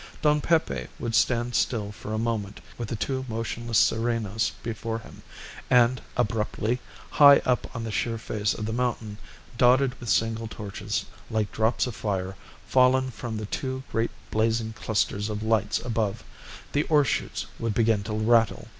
Don Pepe would stand still for a moment with the two motionless serenos before him, and, abruptly, high up on the sheer face of the mountain, dotted with single torches, like drops of fire fallen from the two great blazing clusters of lights above, the ore shoots would begin to rattle.